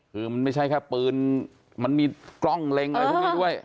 คือมันไม่ใช่แค่ปืนมันมีกล้องเล็งอะไรพวกนี้ด้วย